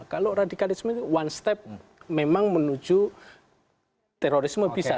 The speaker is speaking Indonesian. kalau radikalisme itu one step memang menuju terorisme bisa